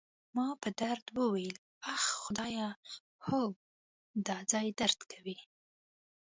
ما په درد وویل: اخ، خدایه، هو، دا ځای درد کوي.